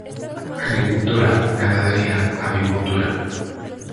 Agricultura, ganadería, avicultura.